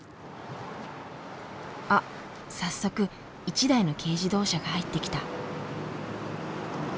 あっ早速１台の軽自動車が入ってきた。